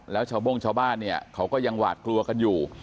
แล้วชาวโบ้งชาวบ้านเนี่ยเขาก็ยังหวาดกลัวกันอยู่